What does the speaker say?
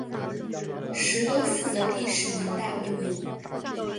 石沟寺的历史年代为明。